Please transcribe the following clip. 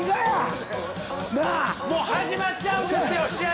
もう始まっちゃうんですよ試合。